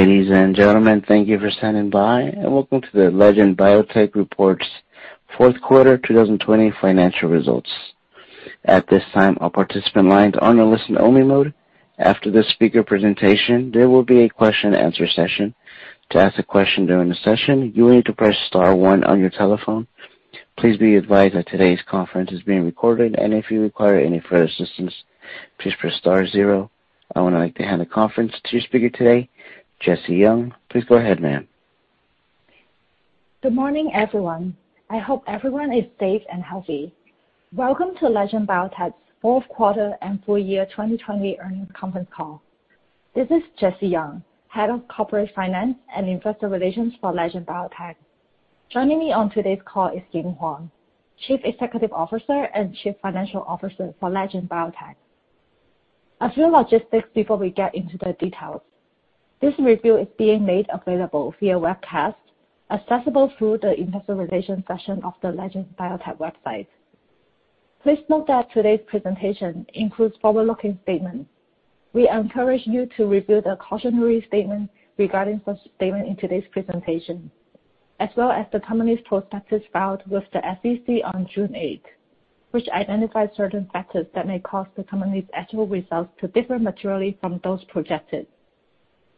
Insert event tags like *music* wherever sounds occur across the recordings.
Ladies and gentlemen, thank you for standing by, and welcome to the Legend Biotech Report's fourth quarter 2020 financial results. At this time, all participant lines are in a listen-only mode. After the speaker presentation, there will be a question and answer session. To ask a question during the session, you will need to press star one on your telephone. Please be advised that today's conference is being recorded, and if you require any further assistance, please press star zero. I would like to hand the conference to your speaker today, Jessie Yeung. Please go ahead, ma'am. Good morning, everyone. I hope everyone is safe and healthy. Welcome to Legend Biotech's fourth quarter and full year 2020 earnings conference call. This is Jessie Yeung, Head of Corporate Finance and Investor Relations for Legend Biotech. Joining me on today's call is Ying Huang, Chief Executive Officer and Chief Financial Officer for Legend Biotech. A few logistics before we get into the details. This review is being made available via webcast, accessible through the Investor Relations section of the Legend Biotech website. Please note that today's presentation includes forward-looking statements. We encourage you to review the cautionary statement regarding such statement in today's presentation, as well as the company's prospectus filed with the SEC on June 8th, which identifies certain factors that may cause the company's actual results to differ materially from those projected.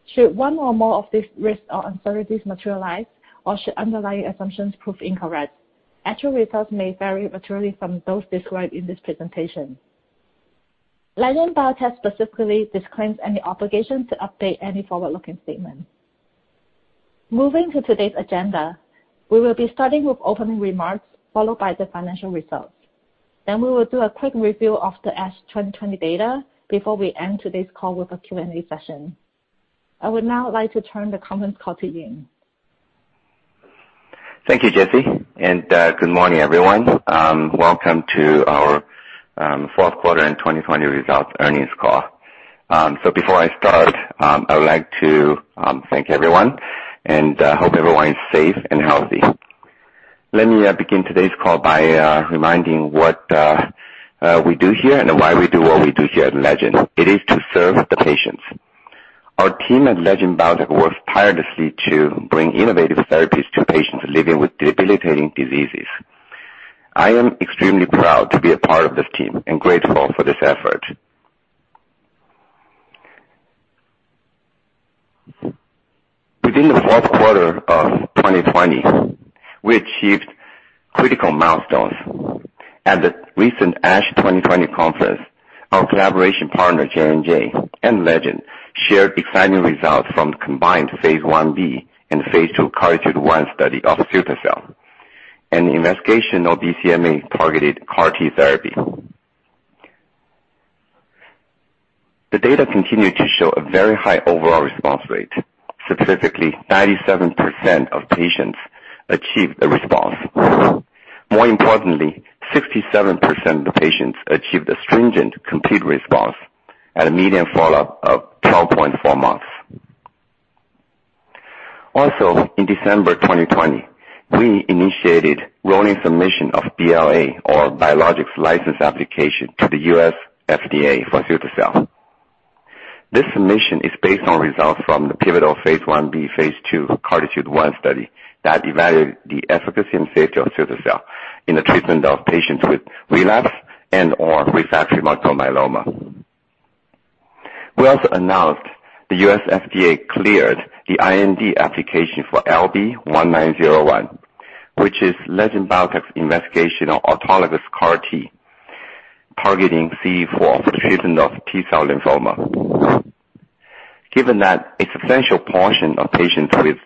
Should one or more of these risks or uncertainties materialize, or should underlying assumptions prove incorrect, actual results may vary materially from those described in this presentation. Legend Biotech specifically disclaims any obligation to update any forward-looking statement. Moving to today's agenda, we will be starting with opening remarks followed by the financial results. We will do a quick review of the ASH 2020 data before we end today's call with a Q&A session. I would now like to turn the conference call to Ying. Thank you, Jessie, and good morning, everyone. Before I start, I would like to thank everyone and hope everyone is safe and healthy. Let me begin today's call by reminding what we do here and why we do what we do here at Legend. It is to serve the patients. Our team at Legend Biotech works tirelessly to bring innovative therapies to patients living with debilitating diseases. I am extremely proud to be a part of this team and grateful for this effort. Within the fourth quarter of 2020, we achieved critical milestones. At the recent ASH 2020 conference, our collaboration partner, J&J, and Legend, shared exciting results from the combined phase I-B and phase II CARTITUDE-1 study of cilta-cel, an investigational BCMA-targeted CAR T therapy. The data continued to show a very high overall response rate. Specifically, 97% of patients achieved a response. More importantly, 67% of the patients achieved a stringent complete response at a median follow-up of 12.4 months. Also, in December 2020, we initiated rolling submission of BLA or Biologics License Application to the U.S. FDA for cilta-cel. This submission is based on results from the pivotal phase I-B/II CARTITUDE-1 study that evaluated the efficacy and safety of cilta-cel in the treatment of patients with relapse and/or refractory multiple myeloma. We also announced the U.S. FDA cleared the IND application for LB1901, which is Legend Biotech's investigational autologous CAR T, targeting CD4 for the treatment of T-cell lymphoma. Given that a substantial portion of patients with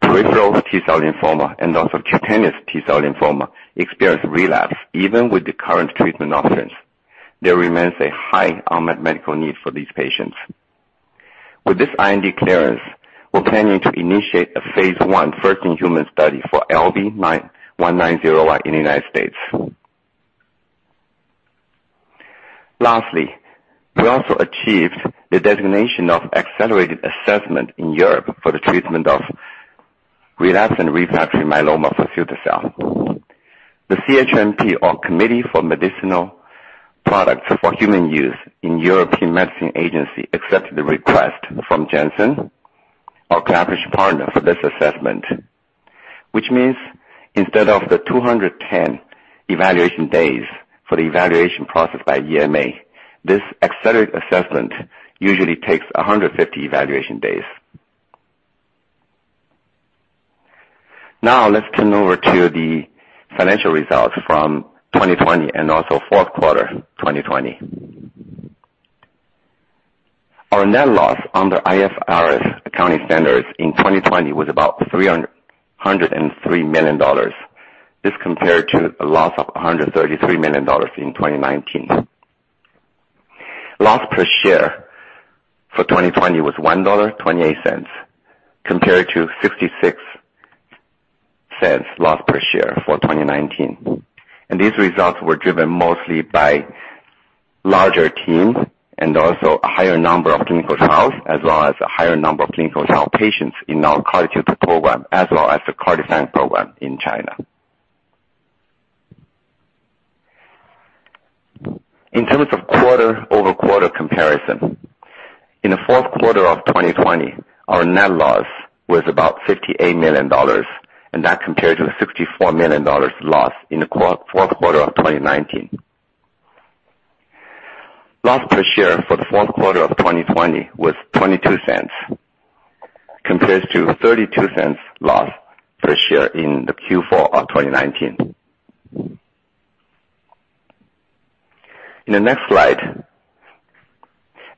peripheral T-cell lymphoma and also cutaneous T-cell lymphoma experience relapse even with the current treatment options, there remains a high unmet medical need for these patients. With this IND clearance, we're planning to initiate a phase I first-in-human study for LB1901 in the U.S. Lastly, we also achieved the designation of accelerated assessment in Europe for the treatment of relapse and refractory myeloma for cilta-cel. The CHMP, or Committee for Medicinal Products for Human Use in European Medicines Agency, accepted the request from Janssen, our collaborative partner for this assessment, which means instead of the 210 evaluation days for the evaluation process by EMA, this accelerated assessment usually takes 150 evaluation days. Let's turn over to the financial results from 2020 and also fourth quarter 2020. Our net loss under IFRS accounting standards in 2020 was about $303 million. This compared to a loss of $133 million in 2019. Loss per share for 2020 was $1.28 compared to $0.66 loss per share for 2019. These results were driven mostly by larger teams and also a higher number of clinical trials, as well as a higher number of clinical trial patients in our CARTITUDE program, as well as the CAR T program in China. In terms of quarter-over-quarter comparison, in the fourth quarter of 2020, our net loss was about $58 million. That compared to a $64 million loss in the fourth quarter of 2019. Loss per share for the fourth quarter of 2020 was $0.22, compared to $0.32 loss per share in the Q4 of 2019. The next slide,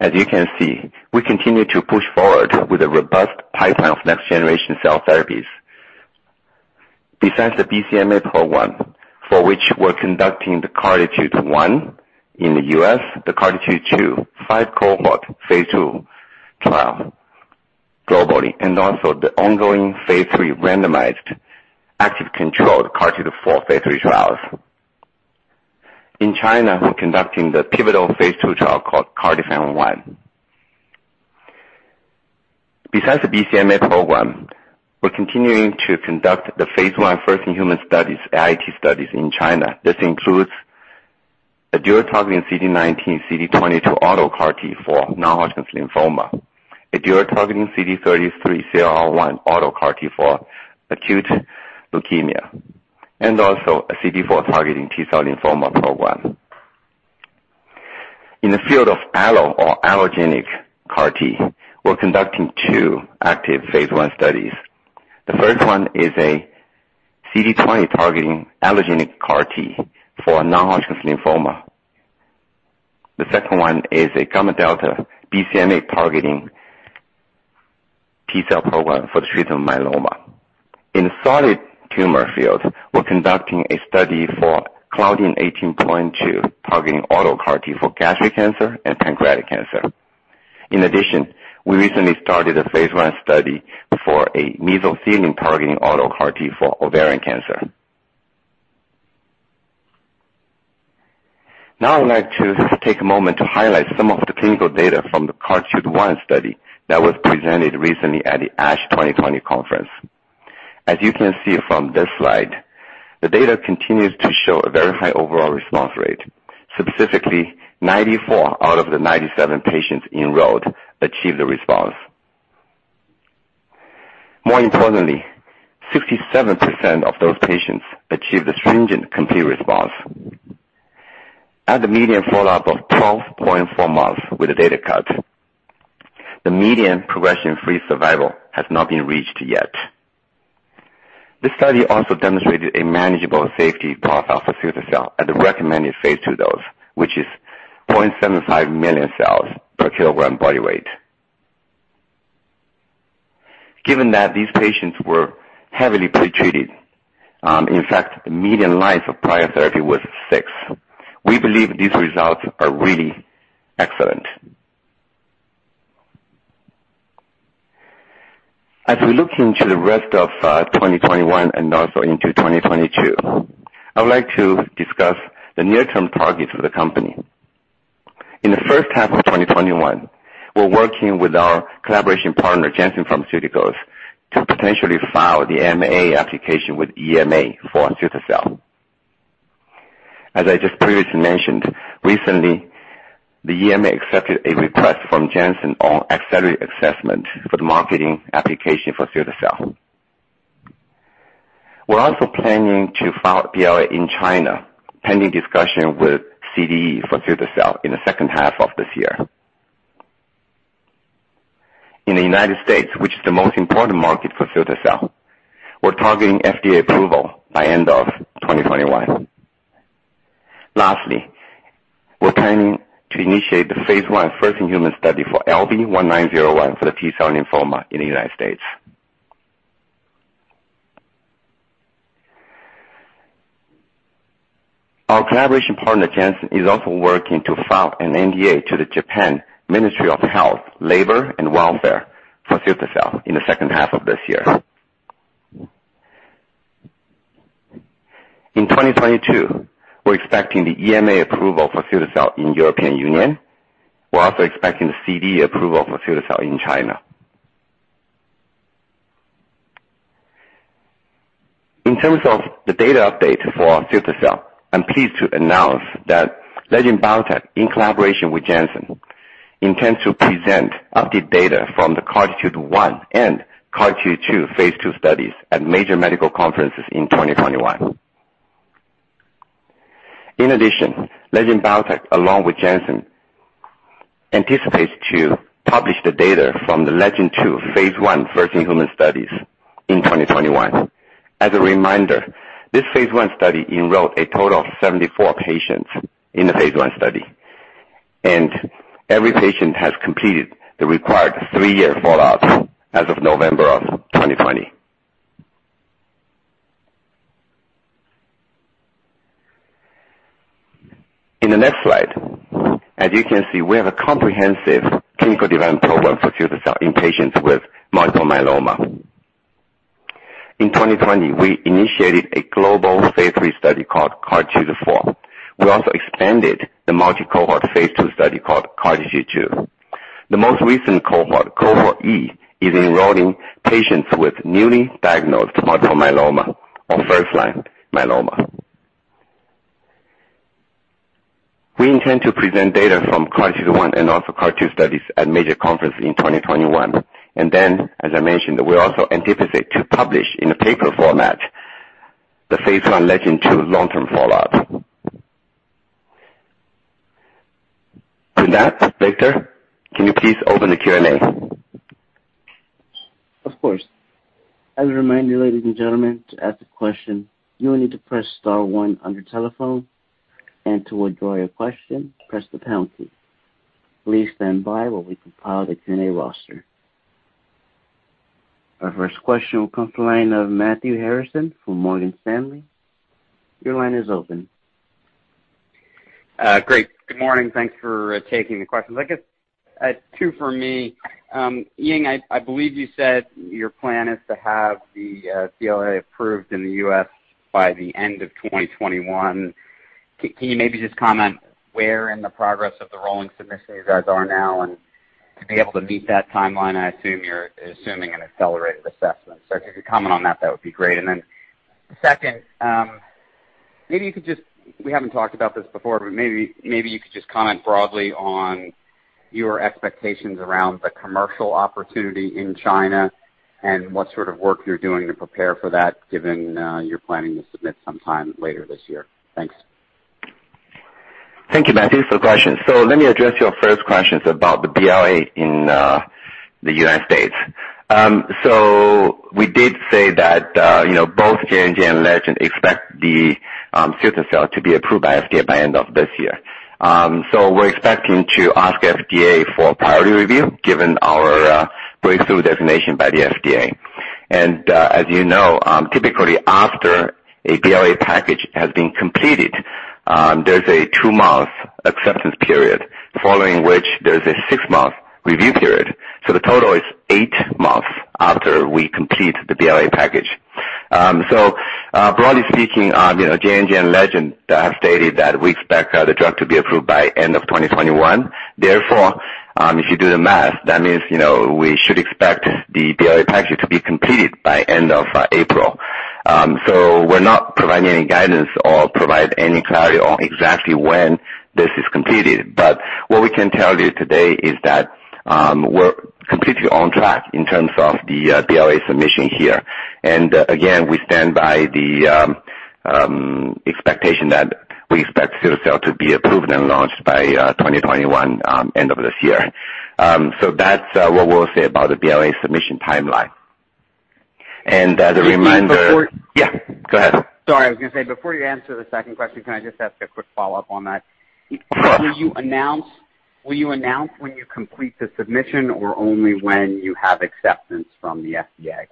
as you can see, we continue to push forward with a robust pipeline of next generation cell therapies. Besides the BCMA program, for which we're conducting the CARTITUDE-1 in the U.S., the CARTITUDE-2 five-cohort phase II trial globally, and also the ongoing phase III randomized active controlled CARTITUDE-4 phase III trials. In China, we're conducting the pivotal phase II trial called CARTIFAN-1. Besides the BCMA program, we're continuing to conduct the phase I first-in-human studies, IIT studies in China. This includes a dual targeting CD19/CD22 auto CAR-T for non-Hodgkin's lymphoma, a dual targeting CD33/CLL1 auto CAR-T for acute leukemia, and also a CD4 targeting T-cell lymphoma program. In the field of allo or allogeneic CAR-T, we're conducting two active phase I studies. The first one is a CD20 targeting allogeneic CAR-T for non-Hodgkin's lymphoma. The second one is a gamma delta BCMA-targeting T-cell program for the treatment of myeloma. In the solid tumor field, we're conducting a study for Claudin 18.2 targeting auto CAR-T for gastric cancer and pancreatic cancer. In addition, we recently started a phase I study for a mesothelin targeting auto CAR-T for ovarian cancer. Now I would like to take a moment to highlight some of the clinical data from the CARTITUDE-1 study that was presented recently at the ASH 2020 conference. As you can see from this slide, the data continues to show a very high overall response rate, specifically 94 out of the 97 patients enrolled achieved a response. More importantly, 67% of those patients achieved a stringent complete response. At the median follow-up of 12.4 months with the data cut, the median progression-free survival has not been reached yet. This study also demonstrated a manageable safety profile for cilta-cel at the recommended phase II dose, which is 0.75 million cells per kilogram body weight. Given that these patients were heavily pre-treated, in fact, the median life of prior therapy was 6, we believe these results are really excellent. As we look into the rest of 2021 and also into 2022, I would like to discuss the near-term targets for the company. In the first half of 2021, we're working with our collaboration partner, Janssen Pharmaceuticals, to potentially file the MAA application with EMA for cilta-cel. As I just previously mentioned, recently, the EMA accepted a request from Janssen on accelerated assessment for the marketing application for cilta-cel. We're also planning to file BLA in China, pending discussion with CDE for cilta-cel in the second half of this year. In the U.S., which is the most important market for cilta-cel, we're targeting FDA approval by end of 2021. Lastly, we're planning to initiate the phase I first-in-human study for LB1901 for the T-cell lymphoma in the U.S. Our collaboration partner, Janssen, is also working to file an NDA to the Japan Ministry of Health, Labour and Welfare for cilta-cel in the second half of this year. In 2022, we're expecting the EMA approval for cilta-cel in European Union. We're also expecting the CDE approval for cilta-cel in China. In terms of the data update for cilta-cel, I'm pleased to announce that Legend Biotech, in collaboration with Janssen, intends to present updated data from the CARTITUDE-1 and CARTITUDE-2 phase II studies at major medical conferences in 2021. In addition, Legend Biotech, along with Janssen, anticipates to publish the data from the LEGEND-2 phase I first-in-human studies in 2021. As a reminder, this phase I study enrolled a total of 74 patients in the phase I study, and every patient has completed the required three-year follow-up as of November 2020. In the next slide, as you can see, we have a comprehensive clinical development program for cilta-cel in patients with multiple myeloma. In 2020, we initiated a global phase III study called CARTITUDE-4. We also expanded the multi-cohort phase II study called CARTITUDE-2. The most recent Cohort E, is enrolling patients with newly diagnosed multiple myeloma or first-line myeloma. We intend to present data from CARTITUDE-1 and also CARTITUDE-2 studies at major conference in 2021. As I mentioned, we also anticipate to publish in a paper format the phase I LEGEND-2 long-term follow-up. With that, Victor, can you please open the Q&A? Of course. As a reminder, ladies and gentlemen, to ask a question, you will need to press star one on your telephone, and to withdraw your question, press the pound key. Please stand by while we compile the Q&A roster. Our first question will come to the line of Matthew Harrison from Morgan Stanley. Your line is open. Great. Good morning. Thanks for taking the questions. I guess two for me. Ying, I believe you said your plan is to have the BLA approved in the U.S. by the end of 2021. Can you maybe just comment where in the progress of the rolling submission you guys are now, and to be able to meet that timeline, I assume you're assuming an accelerated assessment. If you could comment on that would be great. Second, we haven't talked about this before, but maybe you could just comment broadly on your expectations around the commercial opportunity in China and what sort of work you're doing to prepare for that, given you're planning to submit sometime later this year. Thanks. Thank you, Matthew, for the question. Let me address your first questions about the BLA in the U.S. We did say that both J&J and Legend expect the cilta-cel to be approved by FDA by end of this year. We're expecting to ask FDA for priority review, given our breakthrough designation by the FDA. As you know, typically after a BLA package has been completed, there's a two-month acceptance period, following which there's a six-month review period. The total is eight months after we complete the BLA package. Broadly speaking, J&J and Legend have stated that we expect the drug to be approved by end of 2021. Therefore, if you do the math, that means we should expect the BLA package to be completed by end of April. We're not providing any guidance or provide any clarity on exactly when this is completed. What we can tell you today is that we're completely on track in terms of the BLA submission here. Again, we stand by the expectation that we expect cilta-cel to be approved and launched by 2021, end of this year. That's what we'll say about the BLA submission timeline. As a reminder. Before- Yeah, go ahead. Sorry. I was going to say, before you answer the second question, can I just ask a quick follow-up on that? Of course. Will you announce when you complete the submission or only when you have acceptance from the FDA?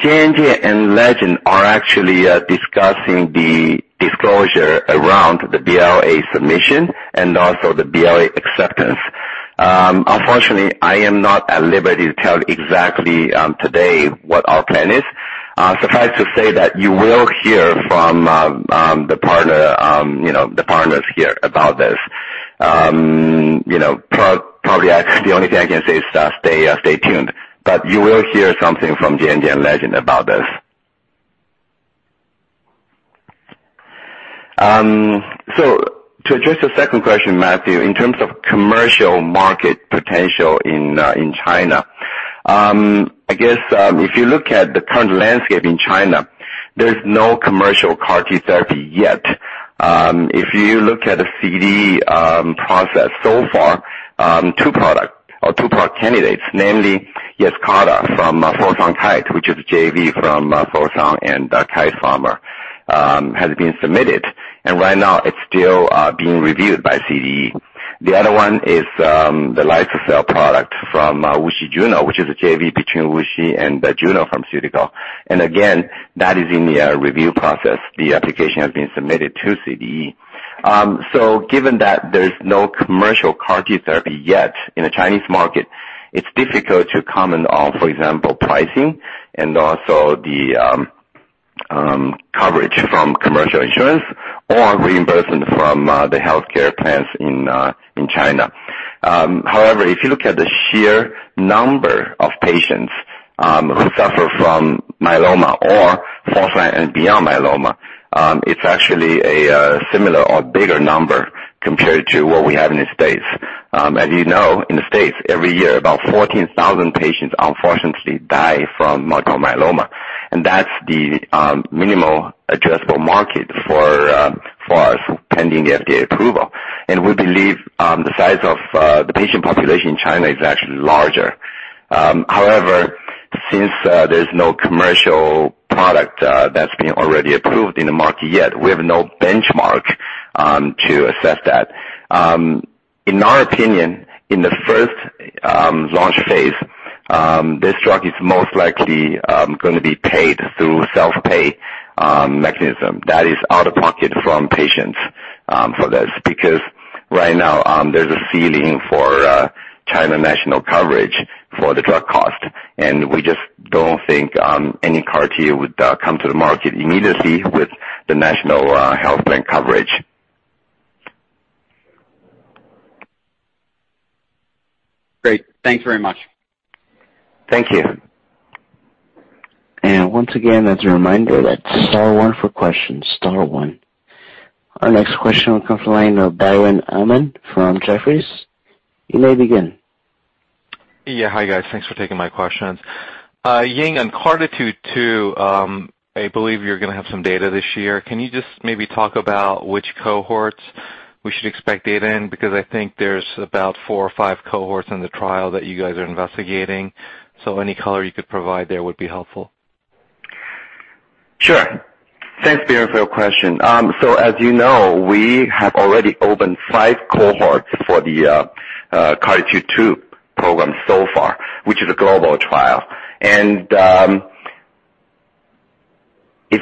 J&J and Legend are actually discussing the disclosure around the BLA submission and also the BLA acceptance. Unfortunately, I am not at liberty to tell exactly today what our plan is. Suffice to say that you will hear from the partners here about this. Probably the only thing I can say is stay tuned. You will hear something from J&J and Legend about this. To address the second question, Matthew, in terms of commercial market potential in China, I guess if you look at the current landscape in China, there's no commercial CAR-T therapy yet. If you look at the CDE process so far, two product candidates, namely Yescarta from Fosun Kite, which is JV from Fosun and Kite Pharma, has been submitted, and right now it's still being reviewed by CDE. The other one is the liso-cel product from WuXi Juno, which is a JV between WuXi and Juno Therapeutics. Again, that is in the review process. The application has been submitted to CDE. Given that there's no commercial CAR-T therapy yet in the Chinese market, it's difficult to comment on, for example, pricing and also the coverage from commercial insurance or reimbursement from the healthcare plans in China. However, if you look at the sheer number of patients who suffer from myeloma or *audio distortion* and beyond myeloma, it's actually a similar or bigger number compared to what we have in the U.S. As you know, in the U.S., every year, about 14,000 patients unfortunately die from multiple myeloma, and that's the minimal addressable market for us pending the FDA approval. We believe the size of the patient population in China is actually larger. Since there's no commercial product that's been already approved in the market yet, we have no benchmark to assess that. In our opinion, in the first launch phase, this drug is most likely going to be paid through self-pay mechanism, that is out-of-pocket from patients for this. Right now there's a ceiling for China national coverage for the drug cost, and we just don't think any CAR-T would come to the market immediately with the national health plan coverage. Great. Thanks very much. Thank you. Once again, as a reminder, that's star one for questions, star one. Our next question will come from the line of Biren Amin from Jefferies. You may begin. Yeah. Hi, guys. Thanks for taking my questions. Ying, on CARTITUDE-2, I believe you're going to have some data this year. Can you just maybe talk about which cohorts we should expect data in? I think there's about four or five cohorts in the trial that you guys are investigating. Any color you could provide there would be helpful. Sure. Thanks, Biren, for your question. As you know, we have already opened five cohorts for the CARTITUDE-2 program so far, which is a global trial. If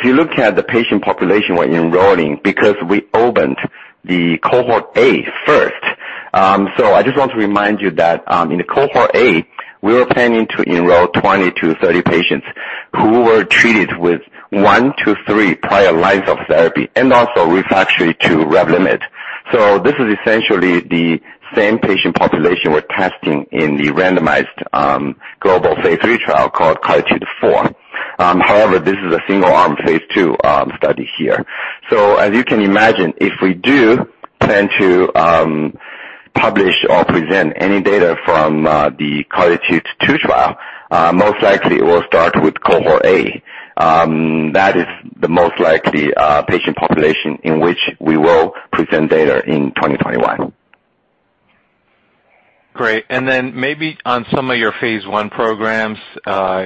you look at the patient population we're enrolling, because we opened the Cohort A first, I just want to remind you that in the Cohort A, we were planning to enroll 20 to 30 patients who were treated with one to three prior lines of therapy, and also refractory to Revlimid. This is essentially the same patient population we're testing in the randomized global phase III trial called CARTITUDE-4. However, this is a single-arm phase II study here. As you can imagine, if we do plan to publish or present any data from the CARTITUDE-2 trial, most likely it will start with Cohort A. That is the most likely patient population in which we will present data in 2021. Great. Maybe on some of your phase I programs,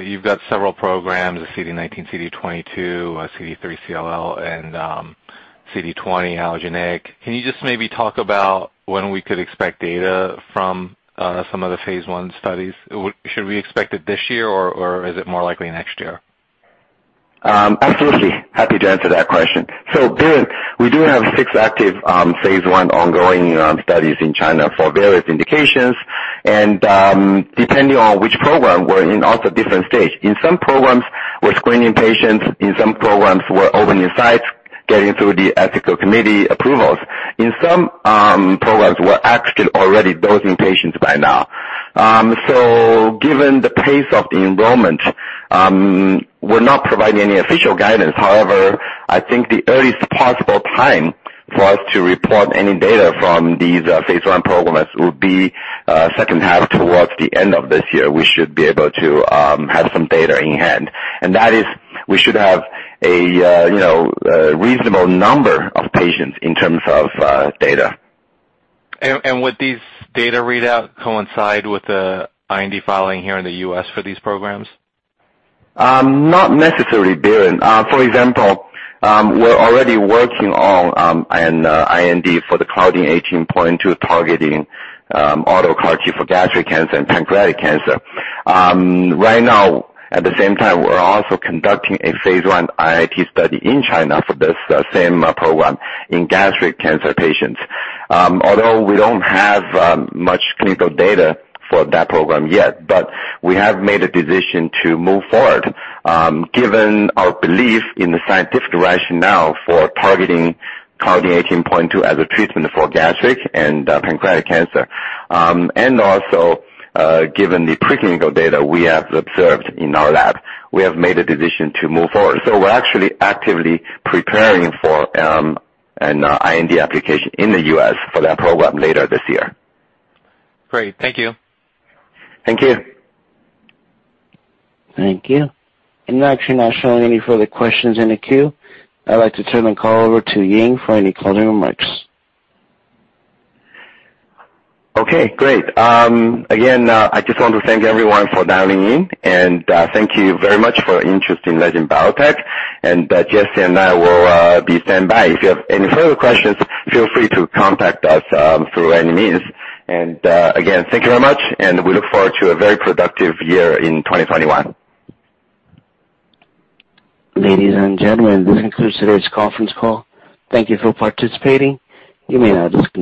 you've got several programs, the CD19, CD22, CD33/CLL1, and CD20 allogeneic. Can you just maybe talk about when we could expect data from some of the phase I studies? Should we expect it this year, or is it more likely next year? Absolutely. Happy to answer that question. Biren, we do have six active phase I ongoing studies in China for various indications, and depending on which program, we're in also different stage. In some programs, we're screening patients. In some programs, we're opening sites, getting through the ethical committee approvals. In some programs, we're actually already dosing patients by now. Given the pace of the enrollment, we're not providing any official guidance. However, I think the earliest possible time for us to report any data from these phase I programs would be second half towards the end of this year, we should be able to have some data in hand. That is, we should have a reasonable number of patients in terms of data. Would these data readout coincide with the IND filing here in the U.S. for these programs? Not necessarily, Biren. For example, we're already working on an IND for the Claudin 18.2 targeting auto-CART for gastric cancer and pancreatic cancer. Right now, at the same time, we're also conducting a phase I IIT study in China for this same program in gastric cancer patients. Although we don't have much clinical data for that program yet, but we have made a decision to move forward given our belief in the scientific rationale for targeting Claudin 18.2 as a treatment for gastric and pancreatic cancer. Also, given the preclinical data we have observed in our lab, we have made a decision to move forward. We're actually actively preparing for an IND application in the U.S. for that program later this year. Great. Thank you. Thank you. Thank you. Actually not showing any further questions in the queue. I'd like to turn the call over to Ying for any closing remarks. Okay, great. Again, I just want to thank everyone for dialing in, and thank you very much for your interest in Legend Biotech. Jessie and I will be standing by. If you have any further questions, feel free to contact us through any means. Again, thank you very much, and we look forward to a very productive year in 2021. Ladies and gentlemen, this concludes today's conference call. Thank you for participating. You may disconnect.